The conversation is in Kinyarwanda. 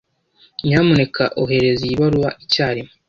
Nyamuneka ohereza iyi baruwa icyarimwe.